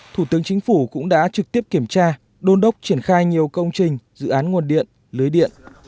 thủ tướng chính phủ cũng đã trực tiếp kiểm tra đôn đốc triển khai nhiều công trình dự án nguồn điện lưới điện